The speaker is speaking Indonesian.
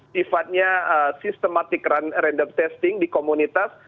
tifadnya sistematik random testing di komunitas